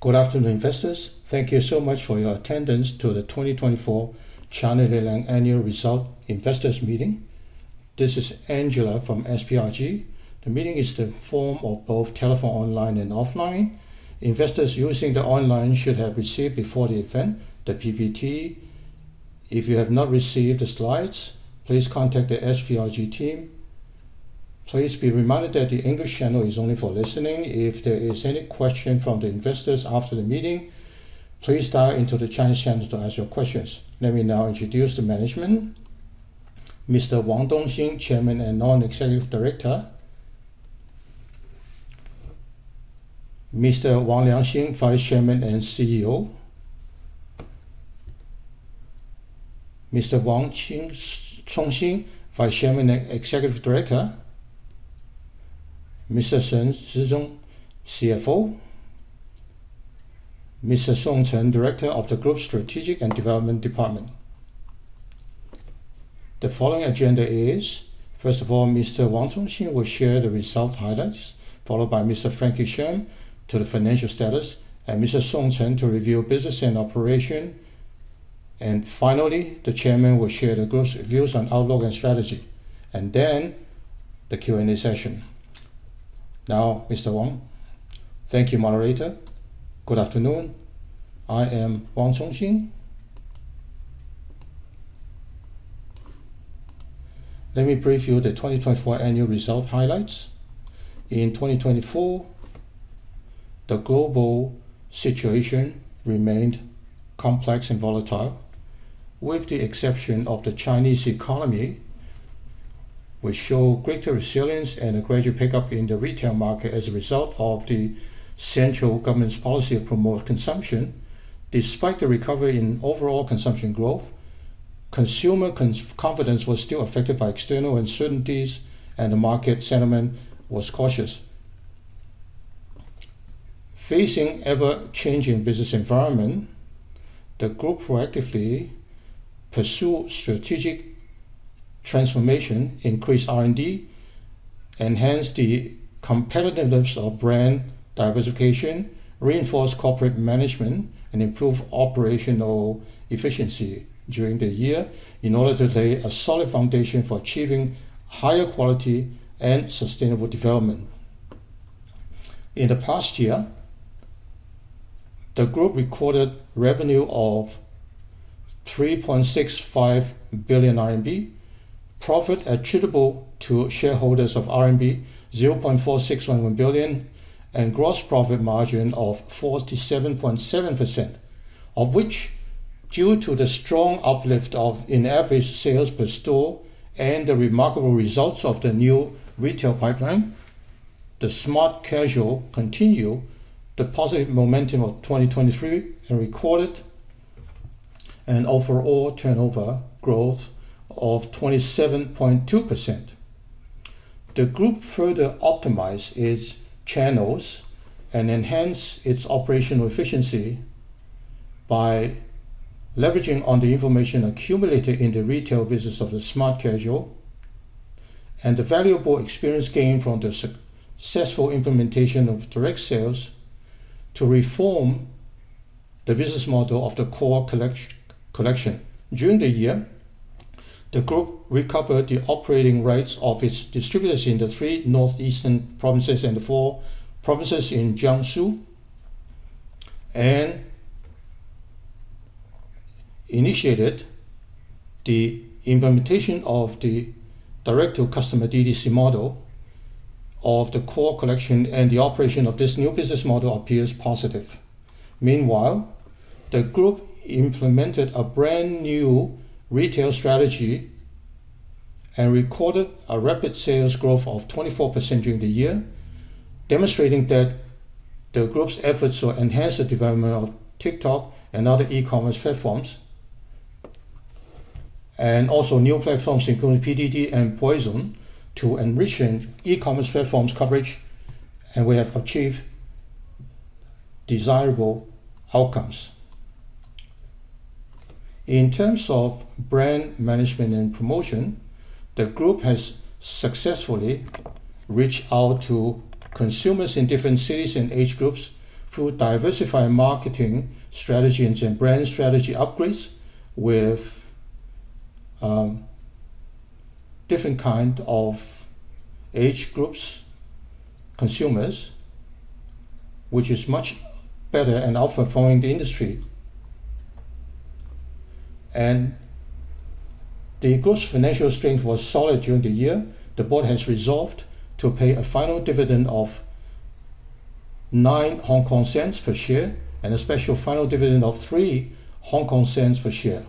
Good afternoon, investors. Thank you so much for your attendance to the 2024 China Lilang annual result investors meeting. This is Angela from SPRG. The meeting is in the form of both telephone, online and offline. Investors using the online should have received before the event the PPT. If you have not received the slides, please contact the SPRG team. Please be reminded that the English channel is only for listening. If there is any question from the investors after the meeting, please dial into the Chinese channel to ask your questions. Let me now introduce the management. Mr. Wang Dong Xing, Chairman and Non-Executive Director. Mr. Wang Liang Xing, Vice Chairman and CEO. Mr. Wang Cong Xing, Vice Chairman and Executive Director. Mr. Shen ZhiZhong, CFO. Mr. Song Chen, Director of the Group Strategic and Development Department. The following agenda is, first of all, Mr. Wang Cong Xing will share the result highlights, followed by Mr. Frankie Shum to the financial status, and Mr. Song Chen to review business and operation. Finally, the Chairman will share the group's views on outlook and strategy. Then the Q&A session. Now, Mr. Wang. Thank you, moderator. Good afternoon. I am Wang Cong Xing. Let me brief you the 2024 annual result highlights. In 2024, the global situation remained complex and volatile, with the exception of the Chinese economy, which show greater resilience and a gradual pickup in the retail market as a result of the central government's policy of promoted consumption. Despite the recovery in overall consumption growth, consumer confidence was still affected by external uncertainties, and the market sentiment was cautious. Facing ever-changing business environment, the group proactively pursue strategic transformation, increase R&D, enhance the competitiveness of brand diversification, reinforce corporate management, and improve operational efficiency during the year in order to lay a solid foundation for achieving higher quality and sustainable development. In the past year, the group recorded revenue of 3.65 billion RMB, profit attributable to shareholders of RMB 0.461 billion, and gross profit margin of 47.7%, of which, due to the strong uplift of in-average sales per store and the remarkable results of the new retail pipeline, the smart casual collection continue the positive momentum of 2023 and recorded an overall turnover growth of 27.2%. The group further optimize its channels and enhance its operational efficiency by leveraging on the information accumulated in the retail business of the smart casual collection and the valuable experience gained from the successful implementation of direct sales to reform the business model of the core collection. During the year, the group recovered the operating rates of its distributors in the three northeastern provinces and the four provinces in Jiangsu and initiated the implementation of the direct-to-consumer DTC model of the core collection and the operation of this new business model appears positive. Meanwhile, the group implemented a brand new retail strategy and recorded a rapid sales growth of 24% during the year, demonstrating that the group's efforts to enhance the development of TikTok and other e-commerce platforms, and also new platforms including PDD and Poizon, to enrich an e-commerce platform's coverage, and we have achieved desirable outcomes. In terms of brand management and promotion, the group has successfully reached out to consumers in different cities and age groups through diversified marketing strategies and brand strategy upgrades with different kind of age groups, consumers, which is much better and outperforming the industry. The group's financial strength was solid during the year. The board has resolved to pay a final dividend of 0.09 per share and a special final dividend of 0.03 per share.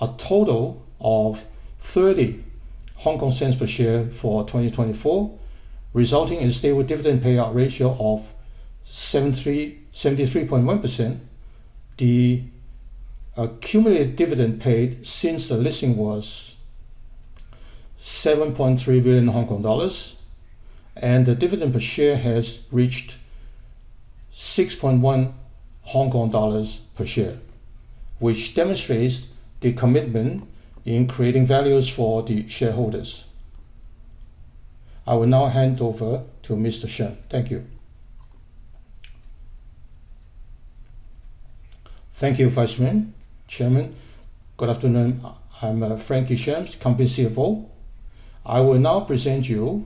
A total of 0.30 per share for 2024, resulting in a stable dividend payout ratio of 73.1%. The accumulated dividend paid since the listing was 7.3 billion Hong Kong dollars, and the dividend per share has reached 6.1 Hong Kong dollars per share, which demonstrates the commitment in creating values for the shareholders. I will now hand over to Mr. Shen. Thank you. Thank you, Vice Chairman. Good afternoon. I'm Frankie Shum, company CFO. I will now present you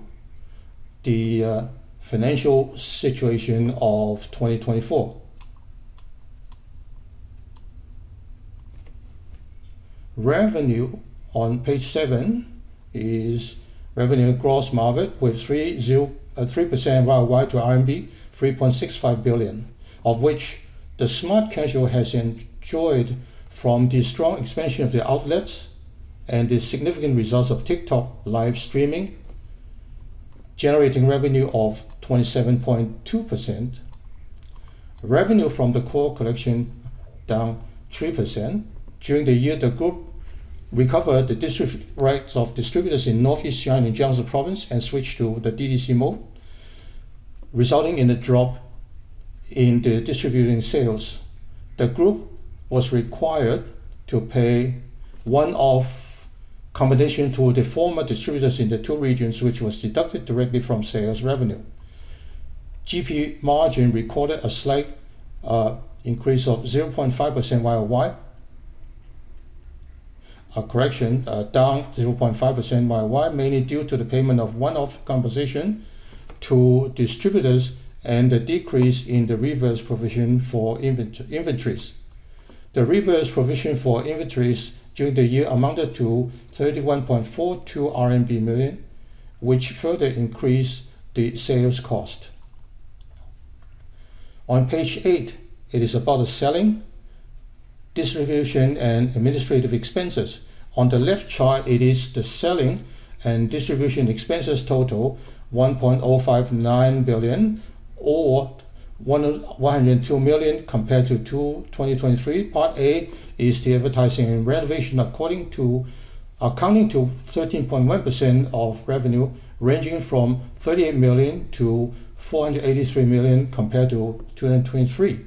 the financial situation of 2024. Revenue on page seven is revenue gross margin with 3% YoY to RMB 3.65 billion, of which the smart casual collection has enjoyed from the strong expansion of the outlets and the significant results of TikTok live streaming, generating revenue of 27.2%. Revenue from the core collection down 3%. During the year, the group recovered the district rights of distributors in Northeast China, in Jiangsu Province, and switched to the DTC mode, resulting in a drop in the distributing sales. The group was required to pay one-off compensation to the former distributors in the two regions, which was deducted directly from sales revenue. GP margin recorded a slight increase of 0.5% YoY. A correction, down 0.5% YoY, mainly due to the payment of one-off compensation to distributors and the decrease in the reverse provision for inventories. The reverse provision for inventories during the year amounted to 31.42 million RMB, which further increased the sales cost. On page eight, it is about the selling, distribution, and administrative expenses. On the left chart, it is the selling and distribution expenses total 1.059 billion or 102 million compared to 2023. Part A is the advertising and renovation accounting to 13.1% of revenue, ranging from 38 million-483 million compared to 2023.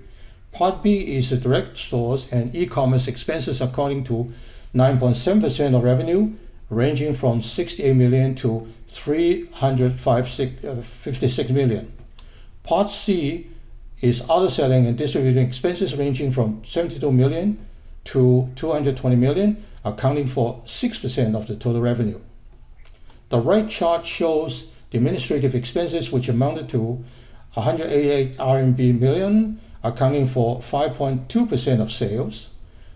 Part B is the direct stores and e-commerce expenses accounting to 9.7% of revenue, ranging from 68 million-56 million. Part C is other selling and distributing expenses ranging from 72 million-220 million, accounting for 6% of the total revenue. The right chart shows the administrative expenses, which amounted to 188 million RMB, accounting for 5.2% of sales.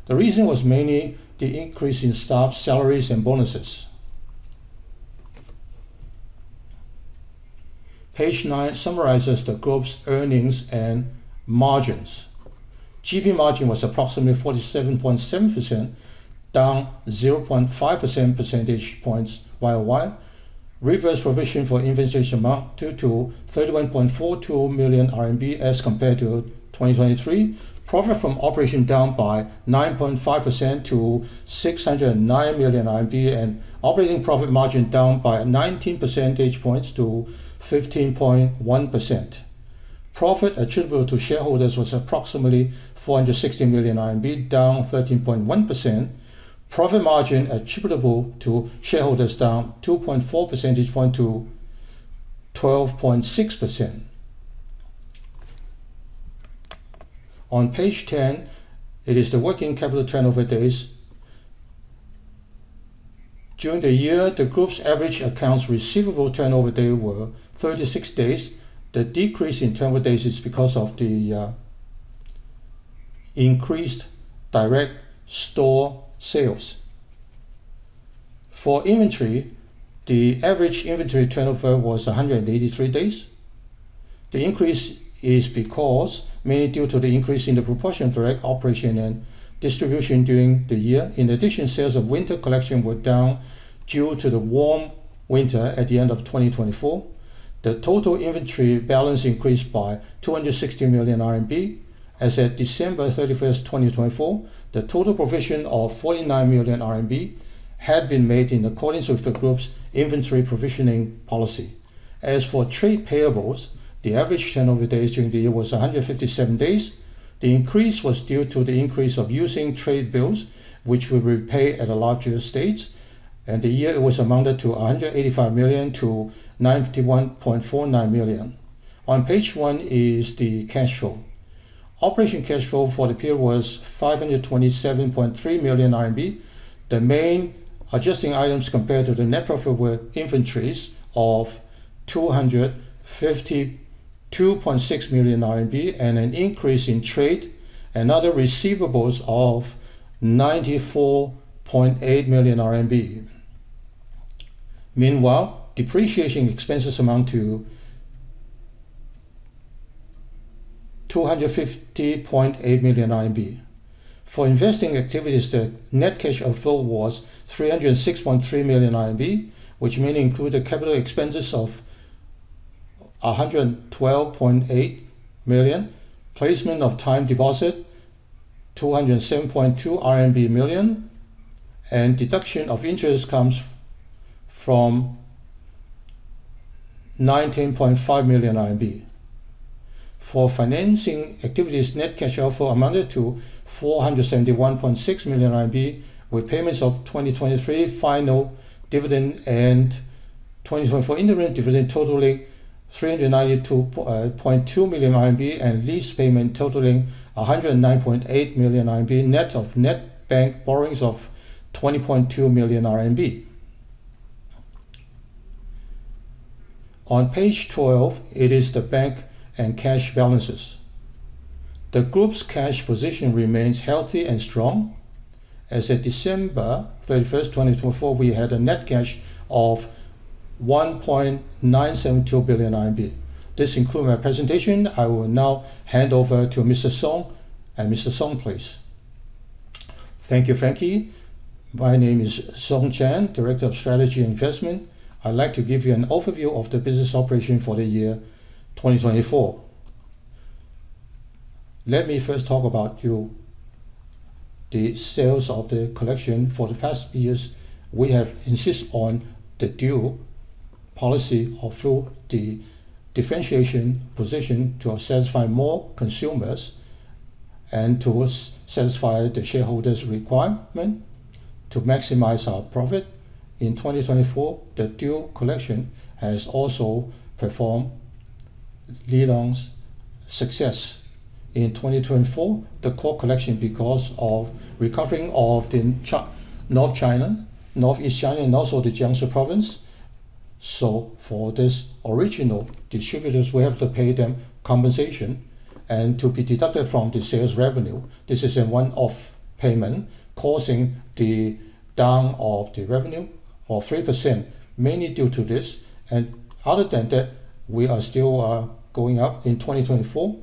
The reason was mainly the increase in staff salaries and bonuses. Page nine summarizes the group's earnings and margins. GP margin was approximately 47.7%, down 0.5 percentage points YoY. Reverse provision for inventories amount due to 31.42 million RMB as compared to 2023. Profit from operation down by 9.5% to 609 million RMB and operating profit margin down by 19 percentage points to 15.1%. Profit attributable to shareholders was approximately 460 million RMB, down 13.1%. Profit margin attributable to shareholders, down 2.4 percentage point to 12.6%. On page 10, it is the working capital turnover days. During the year, the group's average accounts receivable turnover day were 36 days. The decrease in turnover days is because of the increased direct store sales. For inventory, the average inventory turnover was 183 days. The increase is because mainly due to the increase in the proportion direct operation and distribution during the year. In addition, sales of winter collection were down due to the warm winter at the end of 2024. The total inventory balance increased by 260 million RMB. As at December 31st, 2024, the total provision of 49 million RMB had been made in accordance with the group's inventory provisioning policy. As for trade payables, the average turnover days during the year was 157 days. The increase was due to the increase of using trade bills, which will repay at a later stage, and the year it was amounted to 185 million-951.49 million. On page one is the cash flow. Operating cash flow for the period was 527.3 million RMB. The main adjusting items compared to the net profit were inventories of 252.6 million RMB and an increase in trade and other receivables of 94.8 million RMB. Meanwhile, depreciation expenses amount to 250.8 million RMB. For investing activities, the net cash outflow was 306.3 million RMB, which mainly include the capital expenses of 112.8 million, placement of time deposit, 207.2 million RMB, and deduction of interest comes from 19.5 million RMB. For financing activities, net cash outflow amounted to 471.6 million RMB, with payments of 2023 final dividend and 2024 interim dividend totaling 392.2 million RMB and lease payment totaling 109.8 million RMB, net of net bank borrowings of 20.2 million RMB. On page 12, it is the bank and cash balances. The group's cash position remains healthy and strong. As at December 31st, 2024, we had a net cash of 1.972 billion RMB. This concludes my presentation. I will now hand over to Mr. Song. Mr. Song, please. Thank you, Frankie. My name is Song Chen, Director of Strategy Investment. I'd like to give you an overview of the business operation for the year 2024. Let me first talk about the sales of the collection. For the past years, we have insist on the dual policy of through the differentiation position to satisfy more consumers and to satisfy the shareholders' requirement to maximize our profit. In 2024, the dual collection has also performed Lilang's success. In 2024, the core collection because of recovering of the North China, Northeast China, and also the Jiangsu Province. For this original distributors, we have to pay them compensation and to be deducted from the sales revenue. This is a one-off payment causing the down of the revenue of 3% mainly due to this. Other than that, we are still going up in 2024.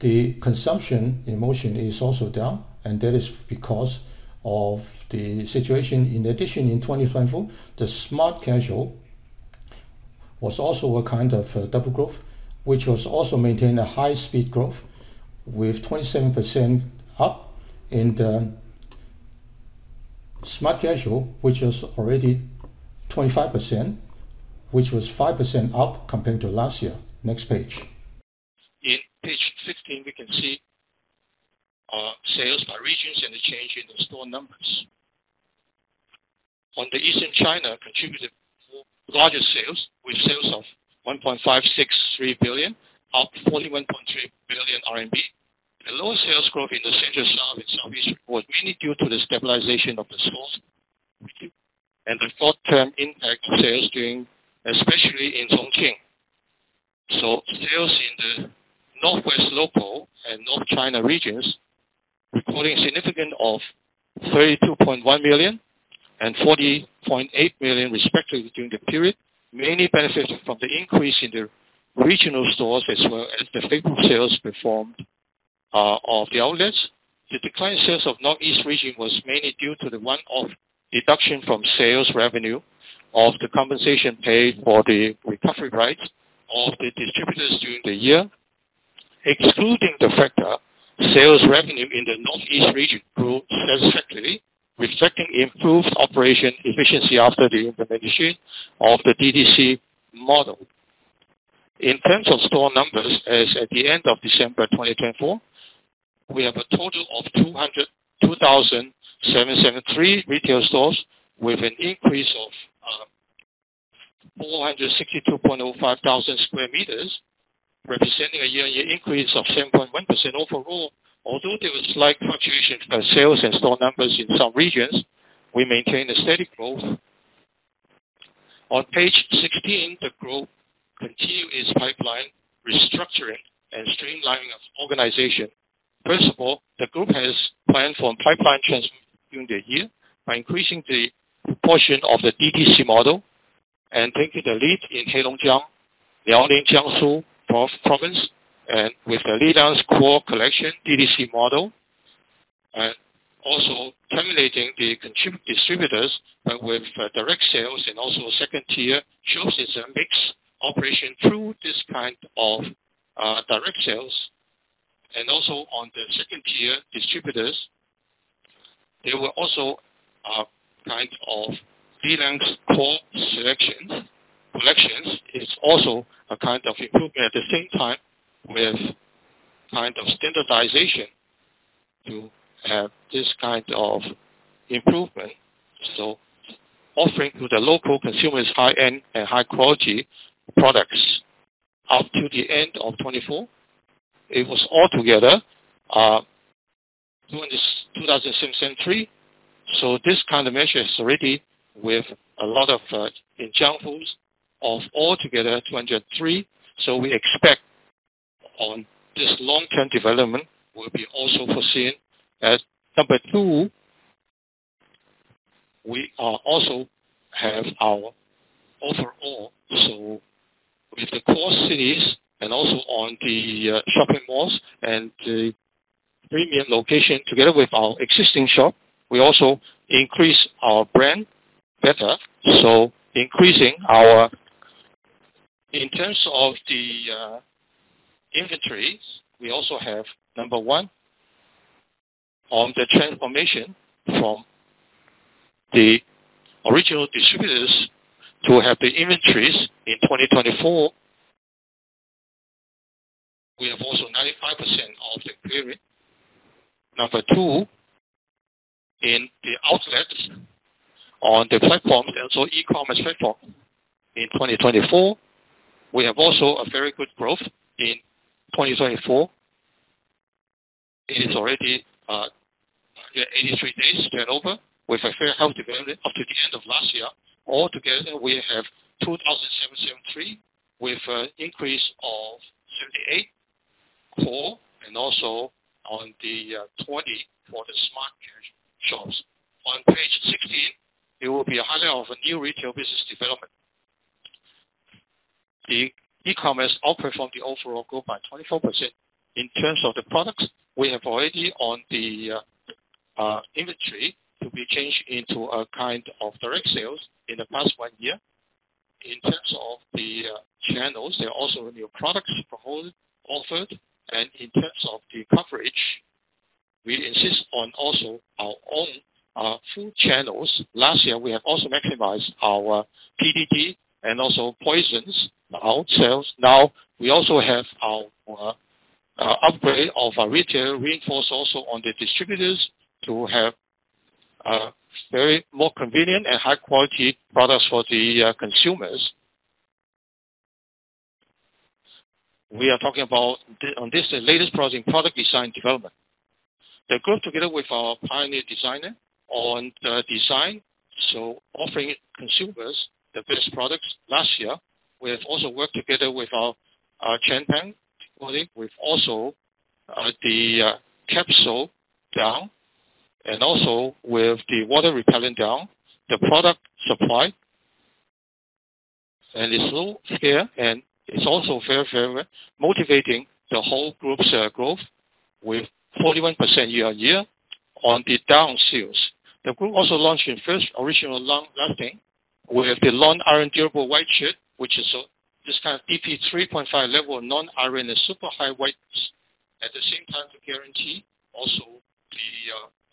The consumption sentiment is also down. That is because of the situation. In addition, in 2024, the smart casual was also a kind of double growth, which was also maintained a high-speed growth with 27% up in the smart casual, which is already 25%, which was 5% up compared to last year. Next page. In page 16, we can see our sales by regions and the change in the store numbers. Eastern China contributed more larger sales, with sales of 1.563 billion, up 41.3 billion RMB. The lower sales growth in the Central South and Southeast was mainly due to the stabilization of the stores and the short-term impact sales during, especially in Chongqing. Sales in the Northwest local and North China regions recording significant of 32.1 million and 40.8 million respectively during the period, mainly benefiting from the increase in the regional stores as well as the favorable sales performed of the outlets. The declined sales of Northeast Region was mainly due to the one-off deduction from sales revenue of the compensation paid for the recovery rights of the distributors during the year. Excluding the factor, sales revenue in the Northeast Region grew substantially, reflecting improved operation efficiency after the implementation of the DTC model. In terms of store numbers, as at the end of December 2024, we have a total of 202,773 retail stores with an increase of 462,050 sq m, representing a year-on-year increase of 7.1% overall. Although there was slight fluctuation for sales and store numbers in some regions, we maintained a steady growth. On page 16, the group continue its pipeline restructuring and streamlining of organization. The group has planned for pipeline transformation during the year by increasing the proportion of the DTC model and taking the lead in Heilongjiang, Liaoning, Jiangsu province, and with the Lilang's core collection DTC model. Terminating the distributors with direct sales and also second-tier shows it's a mixed operation through this kind of direct sales. On the second-tier distributors, there were also a kind of Lilang's core collection. Collections is also a kind of improvement at the same time with kind of standardization to have this kind of improvement, offering to the local consumers high-end and high-quality products. Up to the end of 2024, it was altogether 2,773. This kind of measure is already with a lot of in Jiangsu of altogether 203. We expect on this long-term development will be also foreseen. As number two, we also have our overall. With the core cities and also on the shopping malls and the premium location together with our existing shop, we also increase our brand better, so increasing our. In terms of the inventories, we also have number one on the transformation the original distributors to have the inventories in 2024. We have also 95% of the clearing. Number two, in the outlets on the platform and also e-commerce platform. In 2024, we have also a very good growth. In 2024, it is already, again, 83 days turnover with a very healthy development up to the end of last year. Altogether, we have 2,773 with an increase of 78.4, and also on the 20 for the smart management shops. On page 16, it will be a highlight of a new retail business development. The e-commerce outperformed the overall group by 24%. In terms of the products, we have already on the inventory to be changed into a kind of direct sales in the past one year. In terms of the channels, there are also new products for whole offered and in terms of the coverage, we insist on also our own full channels. Last year, we have also maximized our PDD and also Poizon's our sales. Now we also have our upgrade of our retail reinforce also on the distributors to have a very more convenient and high-quality products for the consumers. We are talking about the latest project, product design development. The group together with our pioneer designer on the design, so offering consumers the best products. Last year, we have also worked together with our Chen Peng with the capsule down and also with the water-repellent down, the product supply. It's low scale, and it's also very motivating the whole group's growth with 41% year-on-year on the down sales. The group also launched Lilang's first original with the long iron durable white shirt, which is this kind of DP 3.5 level non-iron and super high whiteness. At the same time to guarantee also the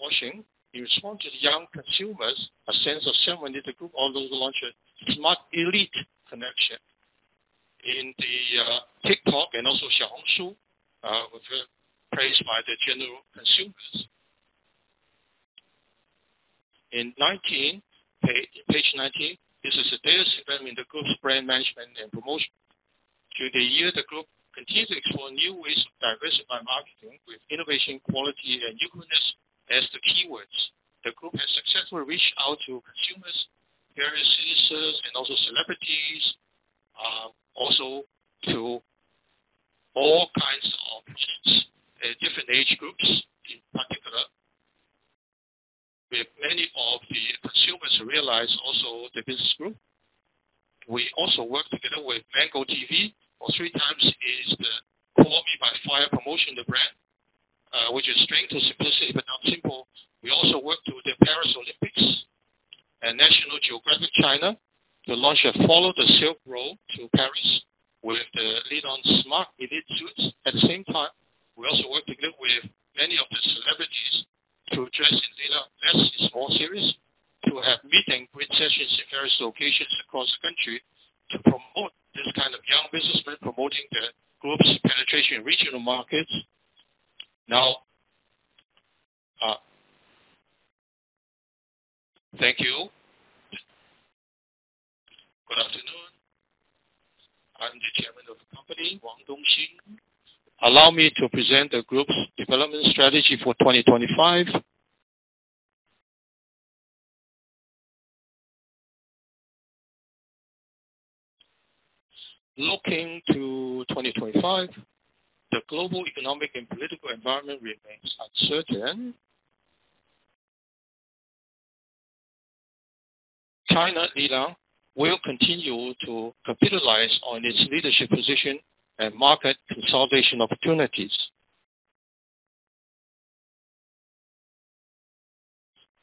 washing. In response to the young consumers, a sense of serendipity, the group also launched a SMART Elite Collection in the TikTok and Xiaohongshu, with praised by the general consumers. Page 19. This is the data segment in the group's brand management and promotion. Through the year, the group continues to explore new ways to diversify marketing with innovation, quality, and uniqueness as the keywords. The group has successfully reached out to consumers,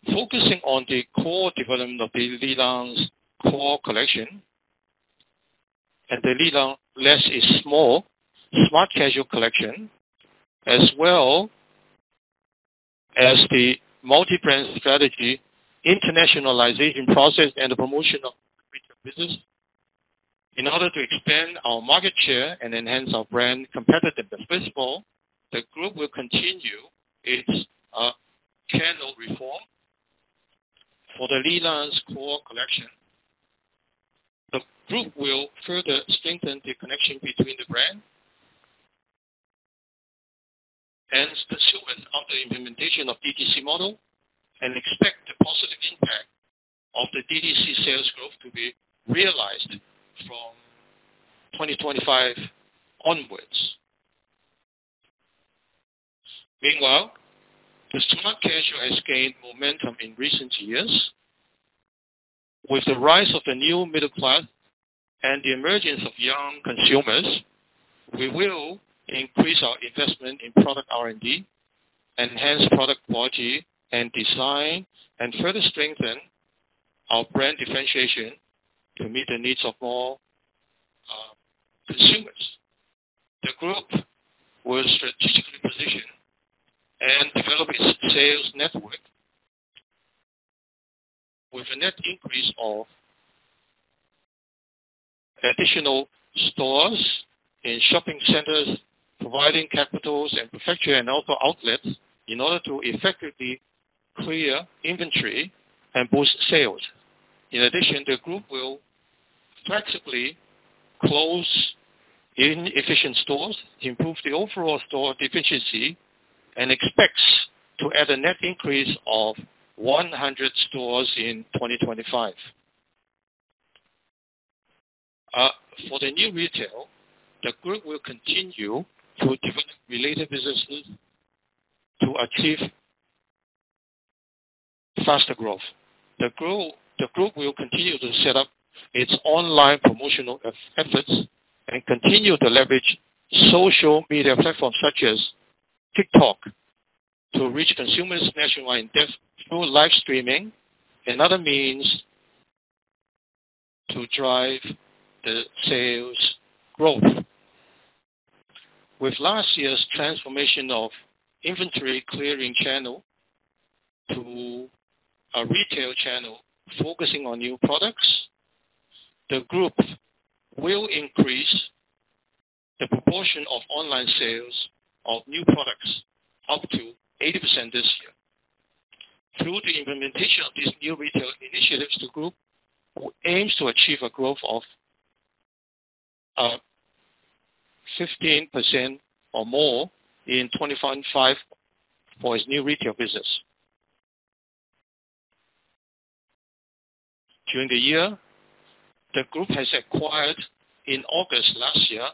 Focusing on the core development of the Lilang's core collection and the Lilang LESS IS MORE smart casual collection, as well as the multi-brand strategy, internationalization process, and the promotion of the retail business. In order to expand our market share and enhance our brand competitiveness. First of all, the group will continue its channel reform for the Lilang's core collection. The group will further strengthen the connection between the brand. Hence, pursuant of the implementation of DTC model, and expect the positive impact of the DTC sales growth to be realized from 2025 onwards. Meanwhile, the smart casual has gained momentum in recent years. With the rise of the new middle class and the emergence of young consumers, we will increase our investment in product R&D, enhance product quality and design, and further strengthen our brand differentiation to meet the needs of more and develop its sales network with a net increase of additional stores in shopping centers, providing capitals and prefecture, and also outlets in order to effectively clear inventory and boost sales. In addition, the group will practically close inefficient stores, improve the overall store efficiency, and expects to add a net increase of 100 stores in 2025. For the new retail, the group will continue to develop related businesses to achieve faster growth. The group will continue to set up its online promotional efforts and continue to leverage social media platforms such as TikTok to reach consumers nationwide through live streaming and other means to drive the sales growth. With last year's transformation of inventory clearing channel to a retail channel focusing on new products, the group will increase the proportion of online sales of new products up to 80% this year. Through the implementation of these new retail initiatives, the group will aim to achieve a growth of 15% or more in 2025 for its new retail business. During the year, the group has acquired, in August last year,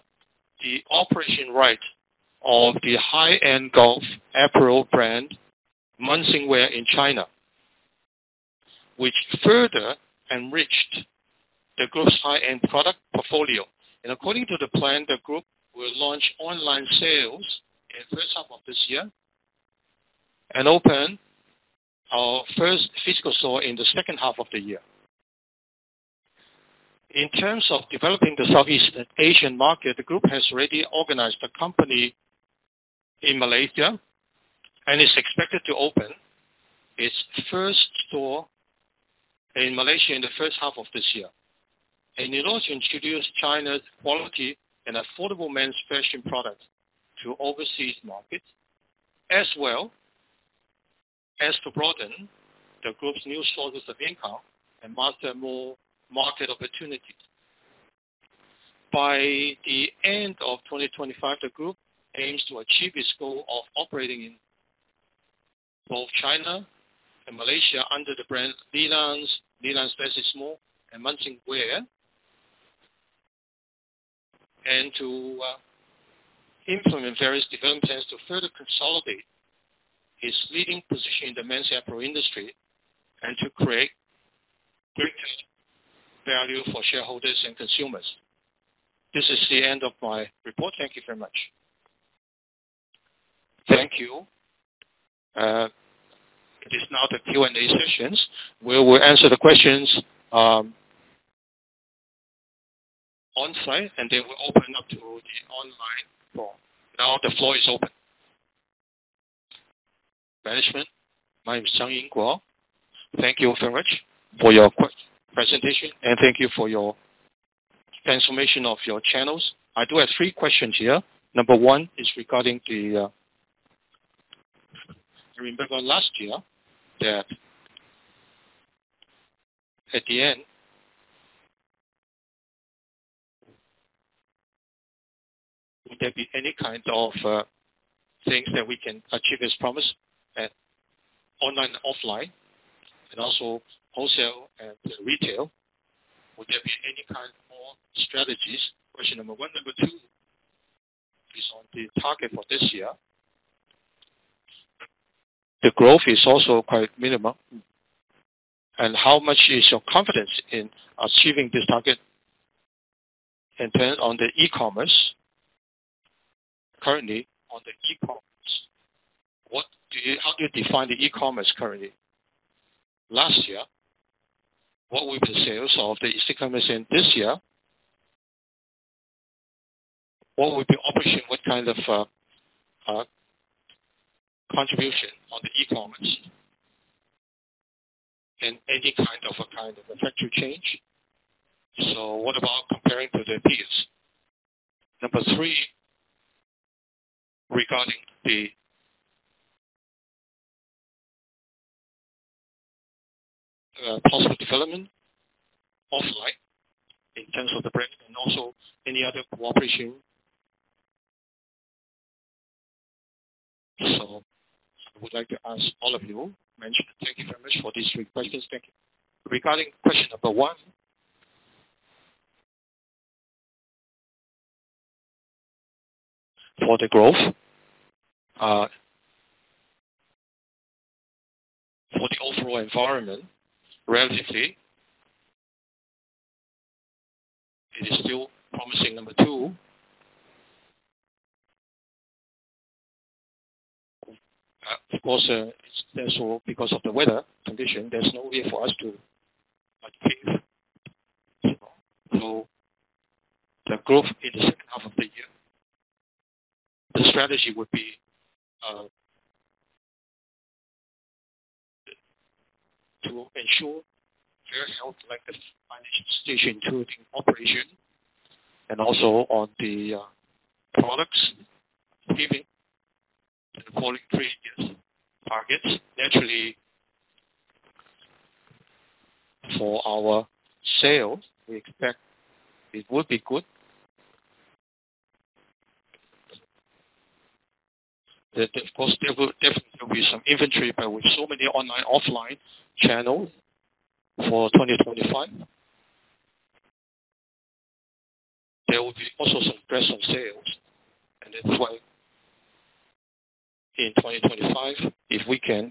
the operation right of the high-end golf apparel brand, Munsingwear, in China, which further enriched the group's high-end product portfolio. According to the plan, the group will launch online sales in first half of this year and open our first physical store in the second half of the year. In terms of developing the Southeast Asian market, the group has already organized a company in Malaysia, and is expected to open its first store in Malaysia in the first half of this year. It will also introduce China's quality and affordable men's fashion products to overseas markets, as well as to broaden the group's new sources of income and master more market opportunities. By the end of 2025, the group aims to achieve its goal of operating in both China and Malaysia under the brands Lilang, Lilang's Basic Small, and Munsingwear. To implement various development plans to further consolidate its leading position in the men's apparel industry and to create greatest value for shareholders and consumers. This is the end of my report. Thank you very much. Thank you. It is now the Q&A sessions, where we'll answer the questions on-site, and then we'll open up to the online floor. Now the floor is open. Management, my name is Jiang Ying Guo. Thank you very much for your presentation, and thank you for your transformation of your channels. I do have three questions here. Number one is regarding the I remember last year that at the end, would there be any kind of things that we can achieve as promised at online, offline, and also wholesale and retail? Would there be any kind of more strategies? Question number one. Number two is on the target for this year. The growth is also quite minimum. How much is your confidence in achieving this target? On the e-commerce. Currently, on the e-commerce, how do you define the e-commerce currently? Last year, what were the sales of the e-commerce? This year, what would be operation, what kind of contribution on the e-commerce? Any kind of, kind of effect to change? What about comparing to their peers? Number three, regarding the possible development of like, in terms of the brand and also any other cooperation. I would like to ask all of you. Management, thank you very much for these three questions. Thank you. Regarding question number one. For the growth, for the overall environment, relatively, it is still promising. The growth in the second half of the year. The strategy would be to ensure very healthy like this financial station including operation and also on the products giving the following three years targets. Naturally, for our sales, we expect it would be good. That of course there will definitely be some inventory, but with so many online, offline channels for 2025. There will be also some aggressive sales and that's why in 2025, if we can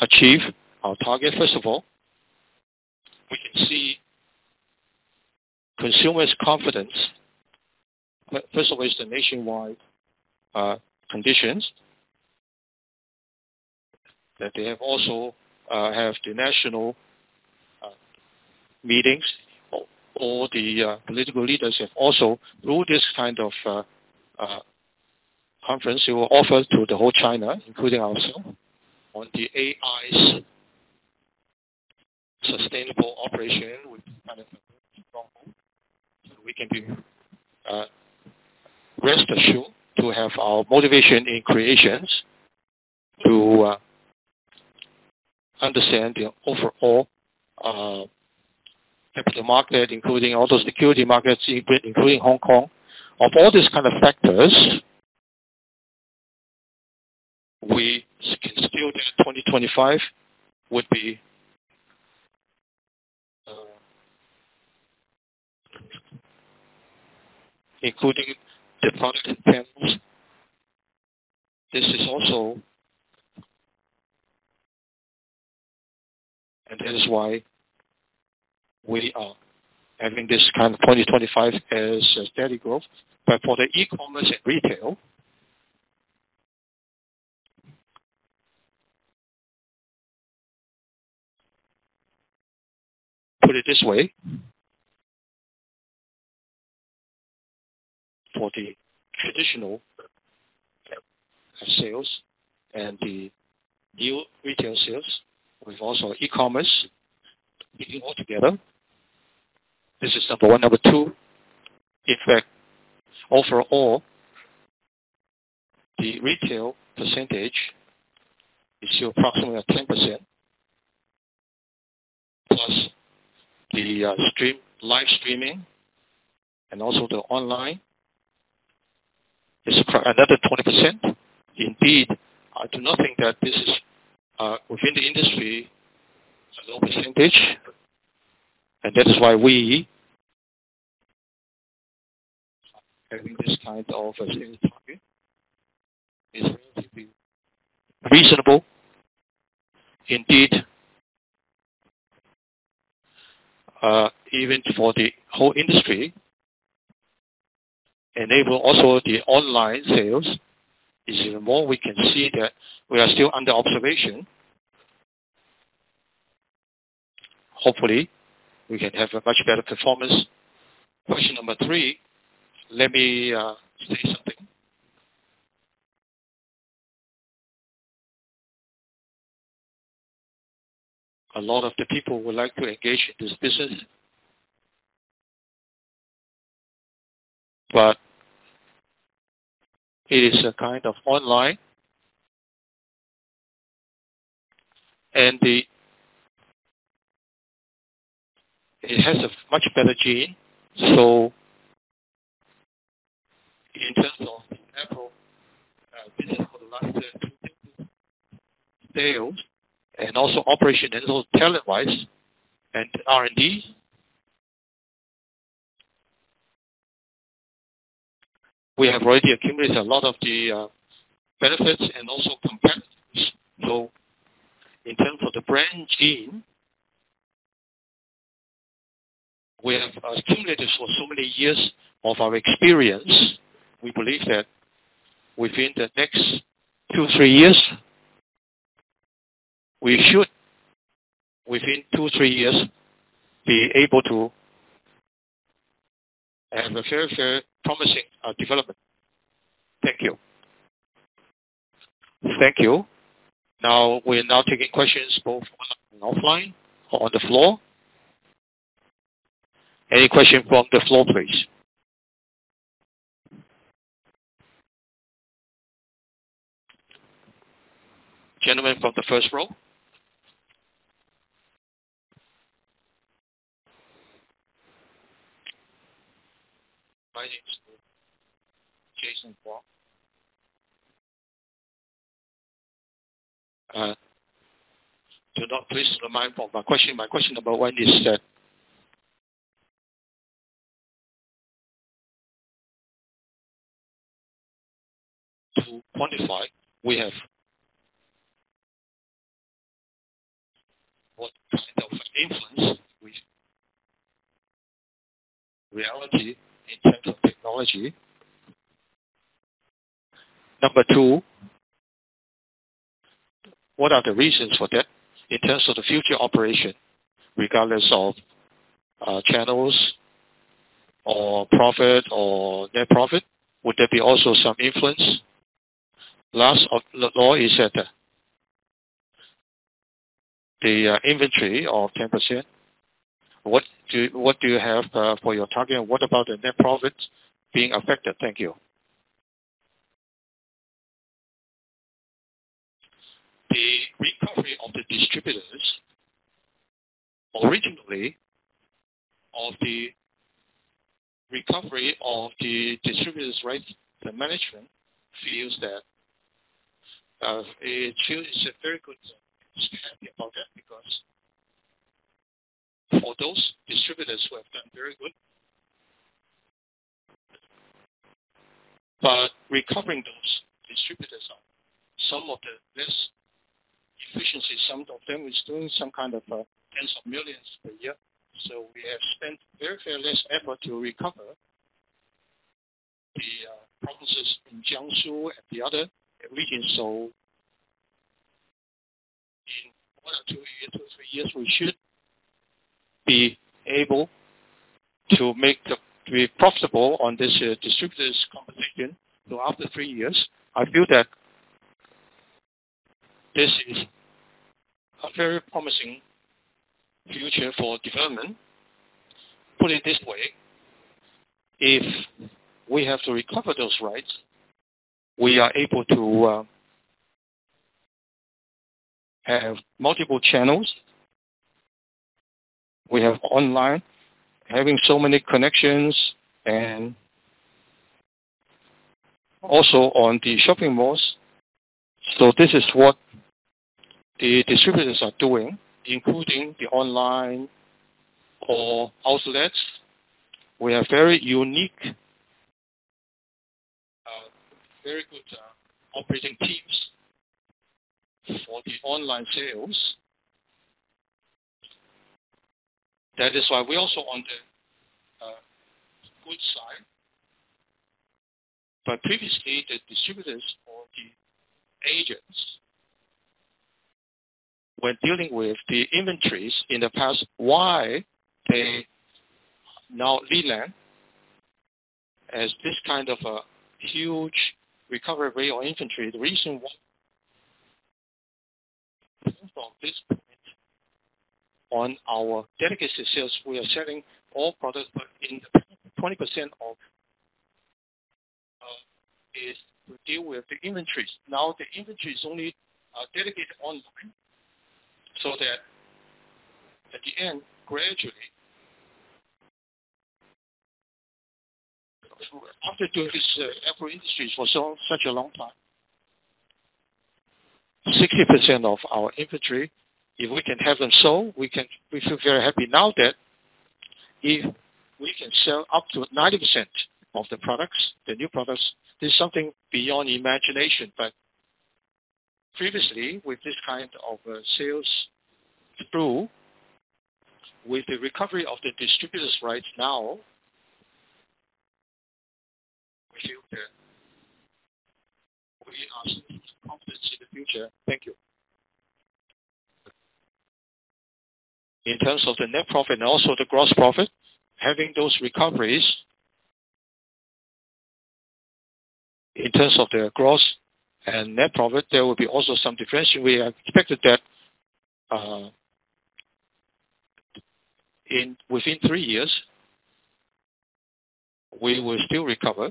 achieve our target, first of all, we can see consumers' confidence. First of all is the nationwide conditions. That they have also have the national meetings or the political leaders have also through this kind of conference, it will offer to the whole China, including ourselves. On the AI's sustainable operation with kind of a very strong move, so we can be rest assured to have our motivation in creations to understand the overall capital market, including also security markets, including Hong Kong. Of all these kind of factors, we can still that 2025 would be. Including the product panels. This is also. That is why we are having this kind of 2025 as a steady growth. For the e-commerce and retail. Put it this way. For the traditional sales and the new retail sales, with also e-commerce being all together. This is number one. Number two, in fact, overall, the retail percentage is still approximately at 10%, plus the live streaming and also the online is another 20%. I do not think that this is within the industry is a low percentage. That is why we are having this kind of a sales target is relatively reasonable. Even for the whole industry. Enable also the online sales is the more we can see that we are still under observation. Hopefully, we can have a much better performance. Question number three, let me say something. A lot of the people would like to engage in this business. It is a kind of online. It has a much better gene, so in terms of apparel business for the last two sales and also operation and also talent-wise and R&D. We have already accumulated a lot of the benefits and also competitiveness. In terms of the brand gene, we have accumulated for so many years of our experience. We believe that we should, within two, three years, be able to have a very promising development. Thank you. Now we are now taking questions both online and offline or on the floor. Any question from the floor, please? Gentleman from the first row. My name is Jason Kwok. Do not please remind for my question. My question number one. To quantify, we have What percent of influence we Reality in terms of technology operation, regardless of channels or profit or net profit. Would there be also some influence? Last, on the law, etc. The inventory of 10%, what do you have for your target? What about the net profit being affected? Thank you. The recovery of the distributors. Originally, of the recovery of the distributor's rights, the management feels that it feels it's a very good thing about that because for those distributors who have done very good. Recovering those distributors are some of the less efficiency. Some of them is doing some kind of tens of millions per year. We have spent very far less effort to recover the provinces in Jiangsu and the other regions. In one or two years or three years, we should be able to be profitable on this distributor's competition. After three years, I feel that this is a very promising future for development. Put it this way, if we have to recover those rights, we are able to have multiple channels. We have online, having so many connections and also on the shopping malls. This is what the distributors are doing, including the online or outlets. We are very unique, very good operating teams for the online sales. That is why we also want a good sign. Previously, the distributors or the agents were dealing with the inventories in the past. Why they now rely as this kind of a huge recovery rate on inventory. The reason why from this point on our legacy sales, we are selling all products, but in 20% is to deal with the inventories. Now, the inventory is only dedicated online, so that at the end, gradually. After doing this apparel industry for so such a long time. 60% of our inventory, if we can have them sold, we can feel very happy now that if we can sell up to 90% of the products, the new products, this is something beyond imagination. Previously, with this kind of sales through, with the recovery of the distributors right now, we feel that we are still confident in the future. Thank you. In terms of the net profit and also the gross profit, having those recoveries, in terms of their gross and net profit, there will be also some differentiate. We have expected that, in within three years, we will still recover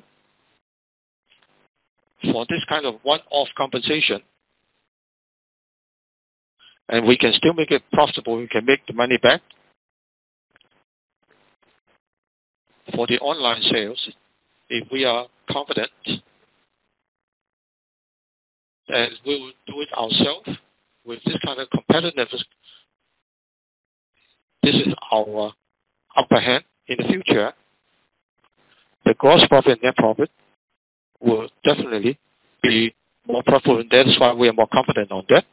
for this kind of one-off compensation. We can still make it possible, we can make the money back. For the online sales, if we are confident, and we will do it ourselves with this kind of competitiveness, this is our upper hand. In the future, the gross profit, net profit will definitely be more profitable, and that's why we are more confident on that.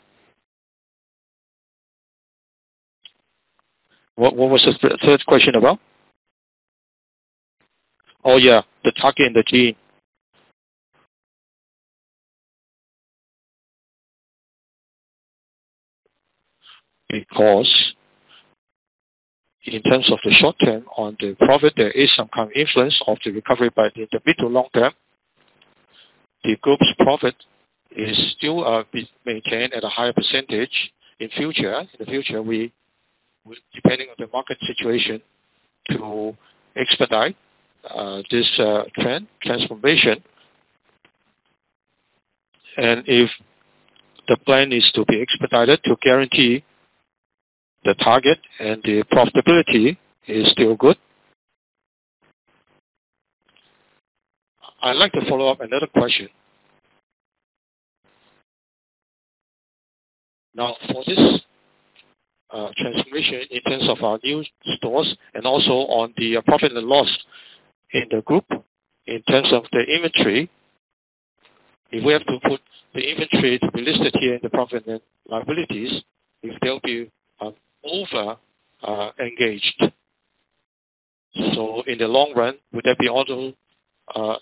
What was the third question about? Yeah, the target and the team. Because in terms of the short term on the profit, there is some kind of influence of the recovery. In the middle long term, the group's profit is still maintained at a higher percentage. In the future, we will, depending on the market situation, to expedite this trend transformation. If the plan is to be expedited to guarantee the target and the profitability is still good. I like to follow up another question. Now, for this transformation in terms of our new stores and also on the profit and loss in the group, in terms of the inventory. If we have to put the inventory to be listed here in the profit and liabilities, if they'll be over engaged in the long run, would there be also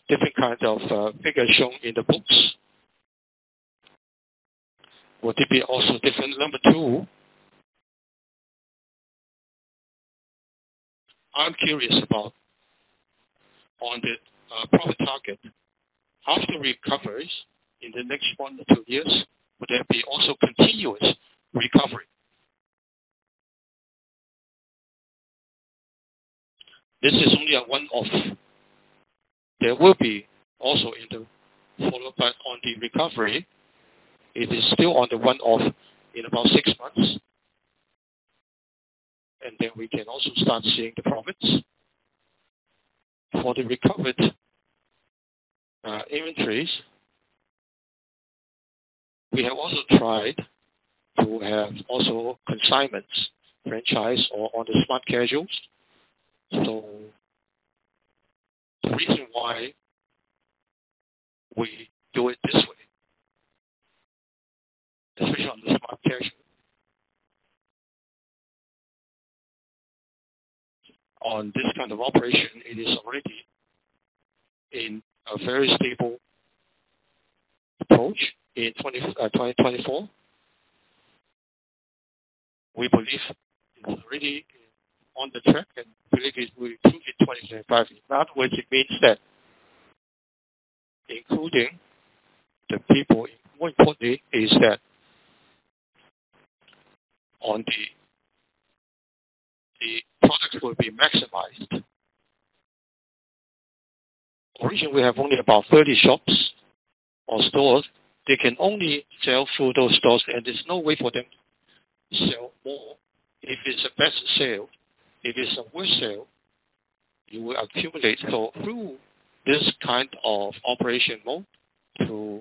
different kinds of figures shown in the books? Would it be also different? Number two. I'm curious about on the profit target after recoveries in the next one-two years, would there be also continuous recovery? This is only a one-off. There will be also in the follow back on the recovery. It is still on the one-off in about six months. We can also start seeing the profits. For the recovered inventories, we have also tried to have also consignments franchise or on the smart casuals. The reason why we do it this way, especially on the smart casual. On this kind of operation, it is already in a very stable approach in 2024. We believe it's already in on the track and believe it will improve in 2025. In other words, it means that including the people, more importantly, is that the products will be maximized. Originally, we have only about 30 shops or stores. They can only sell through those stores, and there's no way for them to sell more. If it's a best sale, if it's a worst sale, you will accumulate. Through this kind of operation mode to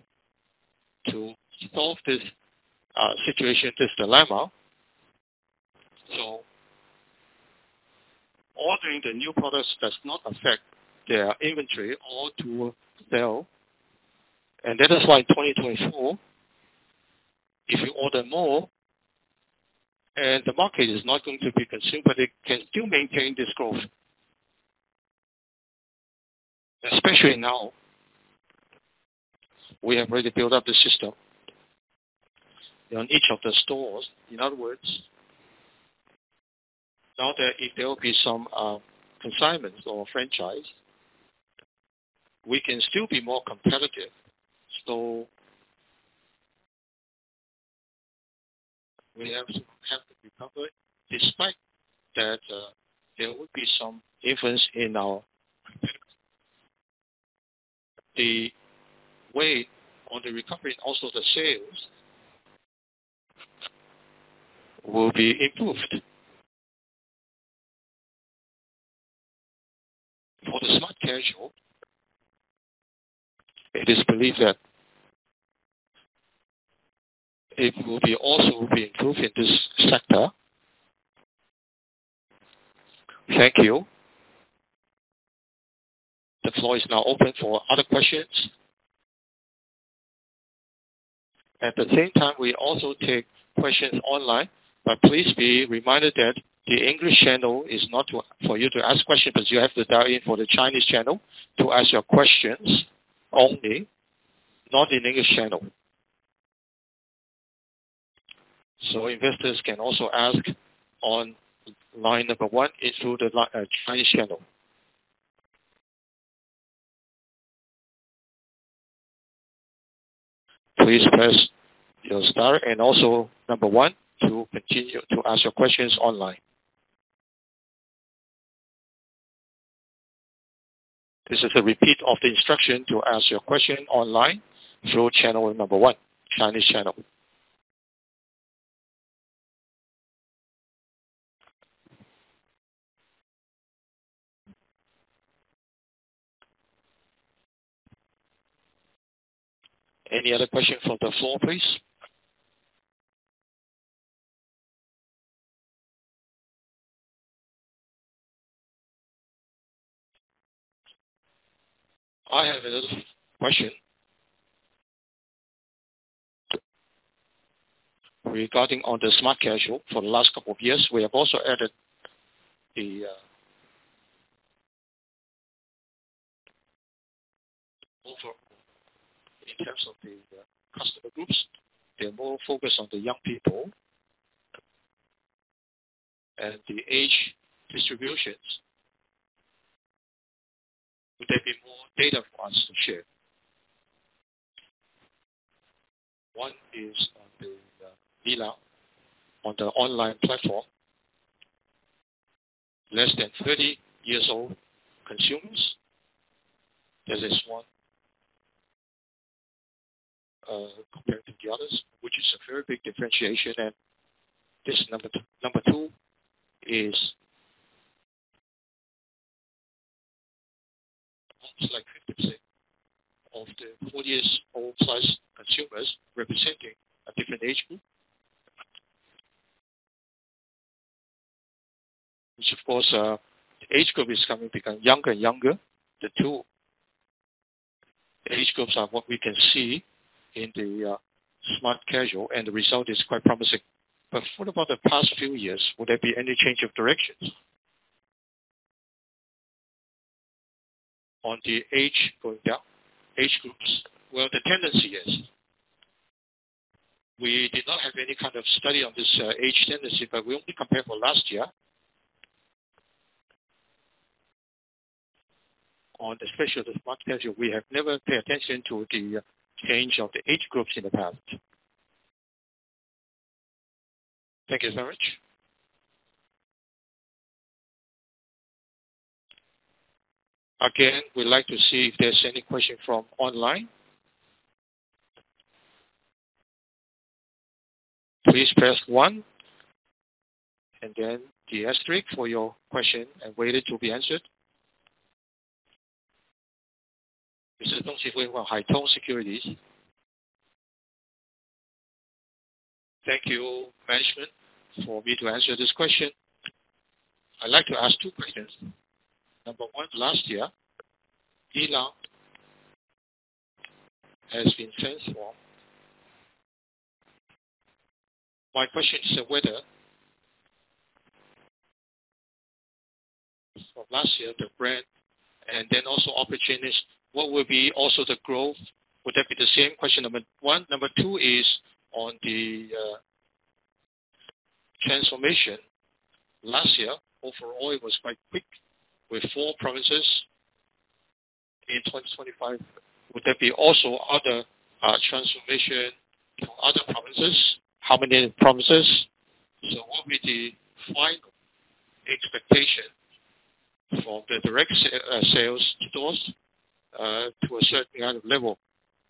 solve this situation, this dilemma. Ordering the new products does not affect their inventory or to sell. That is why 2024, if you order more and the market is not going to be consumed, but it can still maintain this growth. Especially now, we have really built up the system on each of the stores. In other words, now that if there will be some consignments or franchise, we can still be more competitive. We have the recovery despite that there will be some influence in our competitors. The weight on the recovery and also the sales will be improved. For the smart casual, it is believed that it will be also be improved in this sector. Thank you. The floor is now open for other questions. At the same time, we also take questions online, but please be reminded that the English channel is not for you to ask questions because you have to dial in for the Chinese channel to ask your questions only, not in English channel. Investors can also ask on line one into the Chinese channel. Please press your star and also one to continue to ask your questions online. This is a repeat of the instruction to ask your question online through channel one, Chinese channel. Any other questions from the floor, please? I have another question. Regarding the smart casual for the last couple of years, we have also added. Also in terms of the customer groups, they're more focused on the young people and the age distributions. Would there be more data for us to share? One is on the Mila, on the online platform. Less than 30 years old consumers. This is one compared to the others, which is a very big differentiation. This number two is almost like 50% of the 40 years old plus consumers representing a different age group. Which of course, the age group is coming, becoming younger and younger. Those are what we can see in the smart casual, and the result is quite promising. What about the past few years? Will there be any change of directions? On the age going up, age groups? Well, the tendency is. We did not have any kind of study on this age tendency, but we only compare for last year. On the special, the smart casual, we have never paid attention to the change of the age groups in the past. Thank you very much. Again, we'd like to see if there's any question from online. Please press one, and then the asterisk for your question and wait it to be answered. This is Dong Xifei from Haitong Securities. Thank you, management, for me to answer this question. I'd like to ask two questions. Number one, last year, Lilang has been transformed. My question is whether of last year, the brand, and then also opportunities, what will be also the growth? Would that be the same question number one? Number two is on the transformation. Last year, overall, it was quite quick with four provinces. In 2025, would there be also other transformation to other provinces? How many provinces? What will be the final expectation for the direct sales stores to a certain other level?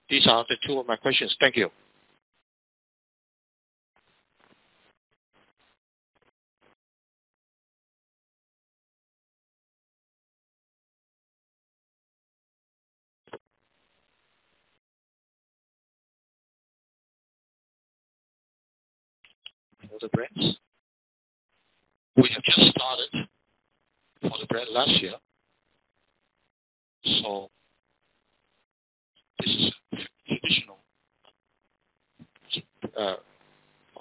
These are the two of my questions. Thank you. Other brands. We have just started for the brand last year, so this is the initial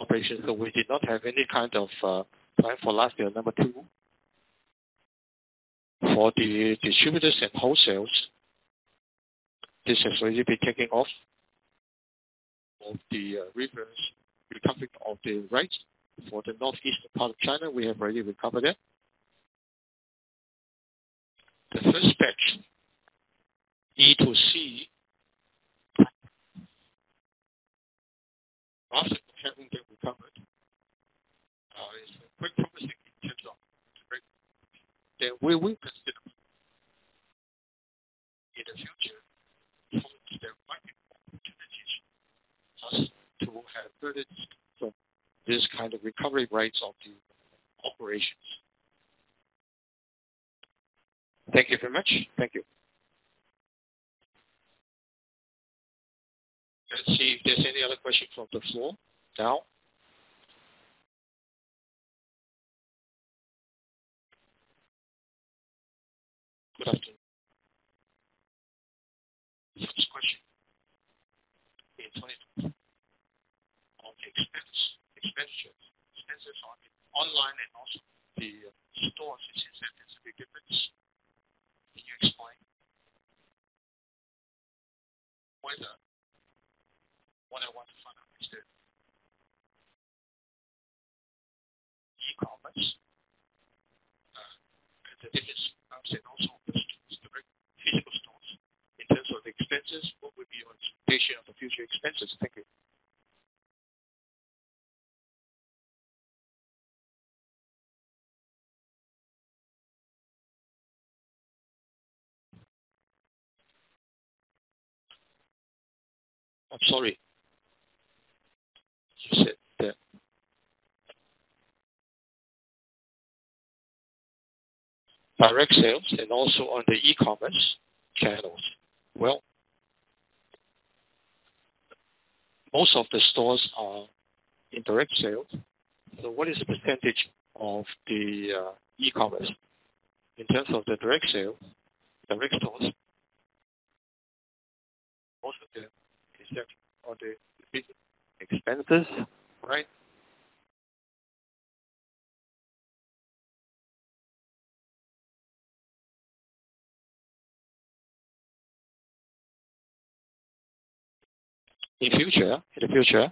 operation. We did not have any kind of plan for last year. Number two, for the distributors and wholesale, this has already been taking off of the reference recovery of the rights. For the northeastern part of China, we have already recovered that. The first batch, DTC, also having been recovered, is quite promising in terms of the brand. That we consider in the future, of course, there might be more opportunities for us to have advantage from this kind of recovery rights of the operations. Thank you very much. Thank you. Let's see if there's any other questions from the floor now. Good afternoon. First question. Can you explain on the expenses on the online and also the store efficiency in terms of the difference? Can you explain? What I want to find out is the e-commerce percentage outside and also the retail stores. In terms of expenses, what would be your expectation of the future expenses? Thank you. I'm sorry. You said that direct sales and also on the e-commerce channels. Well, most of the stores are in direct sales. What is the percentage of the e-commerce? In terms of the direct sales, direct stores. Most of the percentage are the expenses, right? In the future, the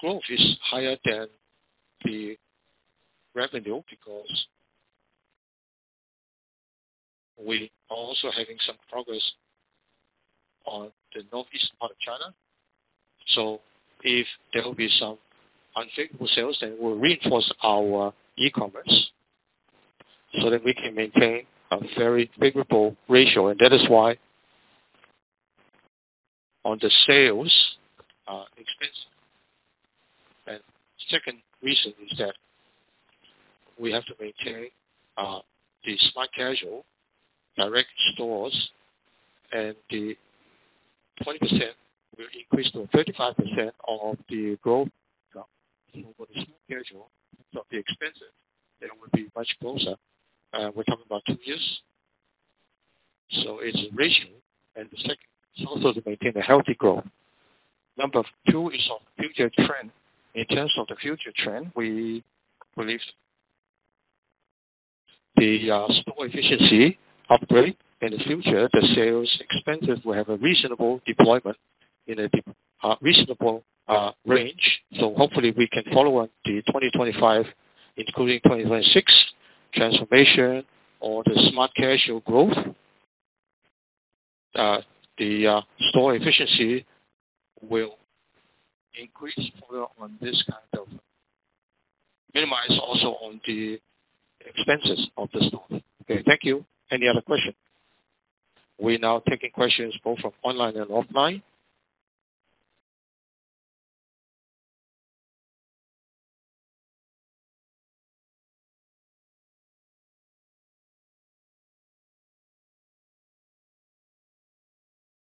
growth is higher than the revenue because we are also having some progress on the northeast part of China. If there will be some unfavorable sales, then we'll reinforce our e-commerce so that we can maintain a very favorable ratio. That is why on the sales expense. Second reason is that we have to maintain the smart casual direct stores, and the 20% will increase to 35% of the growth. For the smart casual, for the expenses, they will be much closer. We're talking about two years. It's ratio. The second is also to maintain a healthy growth. Number two is on future trend. In terms of the future trend, we believe the store efficiency upgrade. In the future, the sales expenses will have a reasonable deployment in a reasonable range. Hopefully we can follow up the 2025, including 2026 transformation or the smart casual growth. The store efficiency will increase further. Minimize also on the expenses of the store. Okay, thank you. Any other question? We're now taking questions both from online and offline.